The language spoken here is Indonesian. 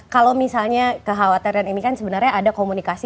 kalau misalnya kekhawatiran ini kan sebenarnya ada komunikasi